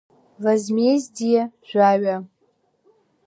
Возмездие, Жәаҩа…